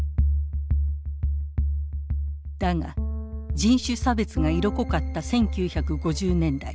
だが人種差別が色濃かった１９５０年代。